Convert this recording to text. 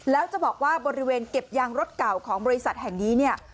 แล้วจะบอกว่าบริเวณเก็บยางรถเก่าของบริษัทแห่งนี้เนี่ย